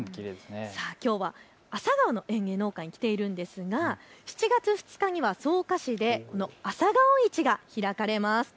きょうは朝顔の園芸農家に来ているんですが７月２日には草加市で朝顔市が開かれます。